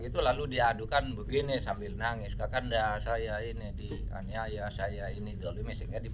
itu lalu diadukan begini sambil nangis kakanda saya ini di karya saya ini dolimis ikat di